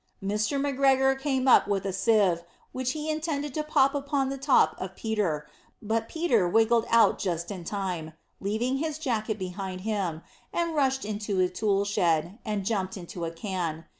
Mr. McGregor came up with a sieve, which he intended to pop upon the top of Peter; but Peter wriggled out just in time, leaving his jacket behind him, and rushed into the tool shed, and jumped into a can.